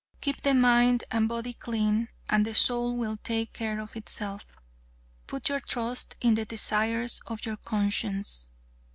Keep the mind and body clean and the soul will take care of itself. Put your trust in the desires of your conscience.